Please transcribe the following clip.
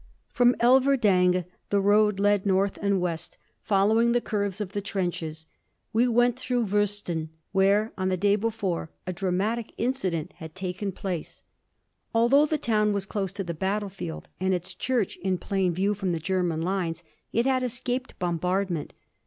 From Elverdingue the road led north and west, following the curves of the trenches. We went through Woesten, where on the day before a dramatic incident had taken place. Although the town was close to the battlefield and its church in plain view from the German lines, it had escaped bombardment.